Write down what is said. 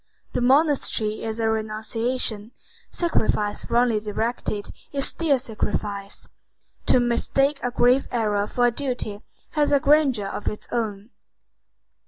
The monastery is a renunciation. Sacrifice wrongly directed is still sacrifice. To mistake a grave error for a duty has a grandeur of its own.